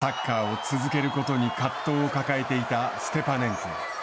サッカーを続けることに葛藤を抱えていたステパネンコ。